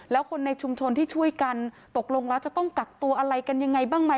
แล้วคนในชุมชนที่ช่วยกันตกลงแล้วจะต้องกักตัวอะไรกันยังไงบ้างไหม